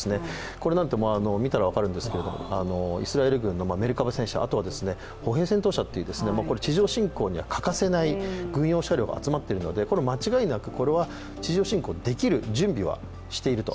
これなんて、見たら分かるんですがイスラエル軍のメルカバ戦車、それから歩兵戦闘車という地上侵攻には欠かせない軍用車両が集まってるのでこれ間違いなくこれは地上侵攻できる準備はしていると。